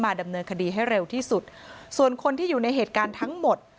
ดำเนินคดีให้เร็วที่สุดส่วนคนที่อยู่ในเหตุการณ์ทั้งหมด